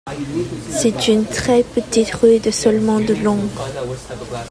C'est une très petite rue de seulement de long.